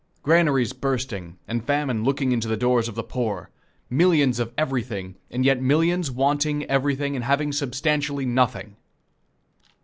Granaries bursting, and famine looking into the doors of the poor! Millions of everything, and yet millions wanting everything and having substantially nothing!